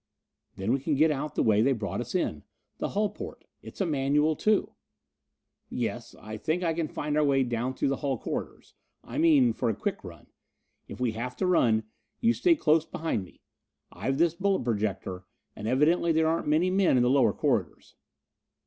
"Then we can get out the way they brought us in. The hull porte it's a manual, too." "Yes, I think I can find our way down through the hull corridors. I mean, for a quick run. If we have to run, you stay close behind me. I've this bullet projector, and evidently there aren't many men in the lower corridors."